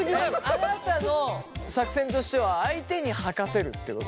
あなたの作戦としては相手に吐かせるってこと？